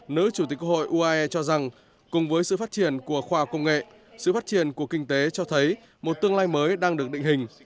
nữ chủ tịch hội uae cho rằng cùng với sự phát triển của khoa học công nghệ sự phát triển của kinh tế cho thấy một tương lai mới đang được định hình